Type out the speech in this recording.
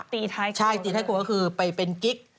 ตีท้ายครัวคือใช่ตีท้ายครัวคือไปเป็นกิ๊ก